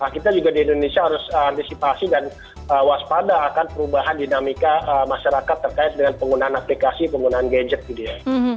kita juga di indonesia harus antisipasi dan waspada akan perubahan dinamika masyarakat terkait dengan penggunaan aplikasi penggunaan gadget gitu ya